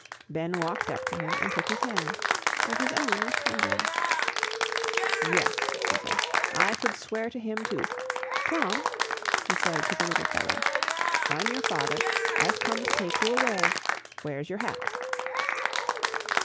Ben walked up to him and took his hand, and his own was trembling. "Yes," he said, "I could swear to him, too. Tom," he said to the little fellow, "I'm your father; I've come to take you away. Where's your hat?"